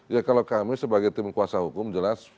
ya kalau kami sebagai tim kuasa hukum jelas